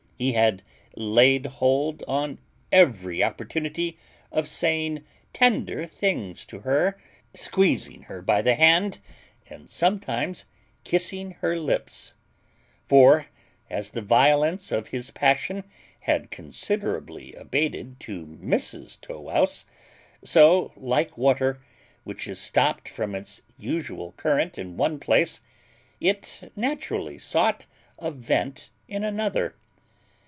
He had laid hold on every opportunity of saying tender things to her, squeezing her by the hand, and sometimes kissing her lips; for, as the violence of his passion had considerably abated to Mrs Tow wouse, so, like water, which is stopt from its usual current in one place, it naturally sought a vent in another.